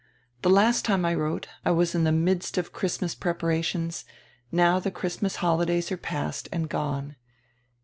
The last time I wrote, I was in the midst of Christmas preparations; now the Christmas holidays are past and gone.